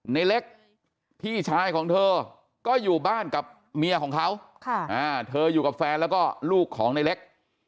ในเล็กพี่ชายของเธอก็อยู่บ้านกับเมียของเขาเธออยู่กับแฟนแล้วก็ลูกของในเล็ก